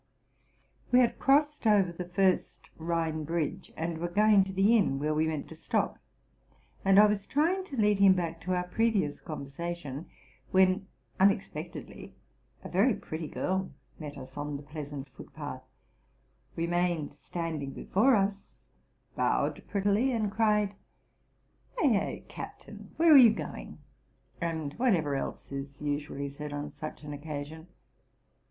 We had crossed over the first Rhine bridge, and were go ing to the inn where we meant to stop; and I was trying to lead him back to our previous conversation, when, unexpect edly, a very pretty girl met us on the pleasant foot path, re mained standing before us, bowed prettily, and cried, '* Eh, eh, captain, where are you going''' and whatever else is usually said on such an occasion.